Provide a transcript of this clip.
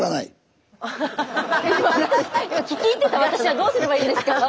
今聞き入ってた私はどうすればいいんですか？